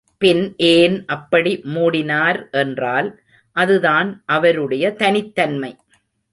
பின் ஏன் அப்படி மூடினார் என்றால், அதுதான் அவருடைய தனித்தன்மை.